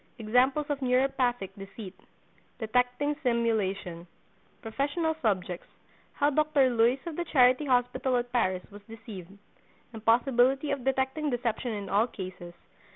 —Examples of Neuropathic Deceit.—Detecting Simulation.—Professional Subjects.—How Dr. Luys of the Charity Hospital at Paris Was Deceived.—Impossibility of Detecting Deception in All Cases.